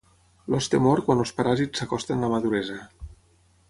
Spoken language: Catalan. L'hoste mor quan els paràsits s'acosten a la maduresa.